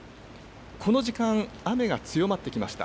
この時間、雨が強まってきました。